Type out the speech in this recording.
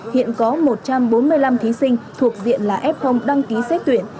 hiện có một trăm bốn mươi năm thí sinh thuộc diện là f đăng ký xét tuyển